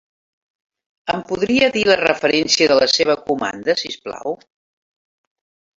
Em podria dir la referència de la seva comanda, si us plau?